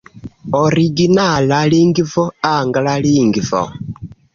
Originala lingvo: angla lingvo.